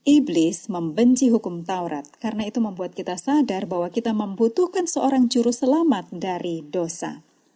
iblis membenci hukum taurat karena itu membuat kita sadar bahwa kita membutuhkan seorang juru selamat dari dosa